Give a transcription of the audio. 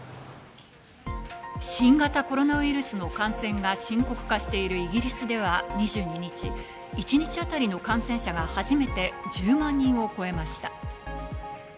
新型コロナウイルスの感染が深刻化しているイギリスでは２２日、一日当たりの感染者が初めて１０万人を超えました。